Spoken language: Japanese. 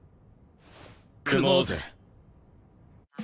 組もうぜ。